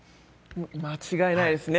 間違いないですね。